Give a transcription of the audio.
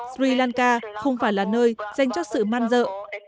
sri lanka không phải là nơi dành cho sự man dợ